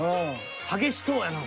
激しそうやな